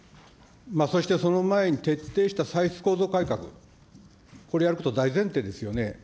そして、その前に徹底した歳出構造改革、これやること、大前提ですよね。